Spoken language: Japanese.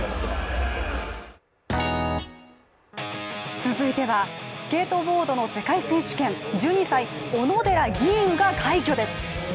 続いてはスケートボードの世界選手権１２歳、小野寺吟雲が快挙です。